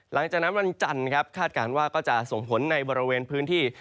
หลังจากนั้นวันจันทร์ครับคาดการณ์ว่าก็จะส่งผลในบริเวณพื้นที่